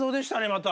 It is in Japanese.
また。